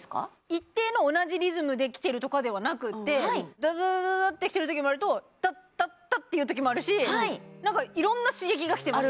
一定の同じリズムできてるとかではなくってダダダダダってきてる時もあるとダッダッダッていう時もあるし何か色んな刺激がきてます